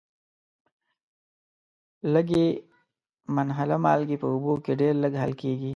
لږي منحله مالګې په اوبو کې ډیر لږ حل کیږي.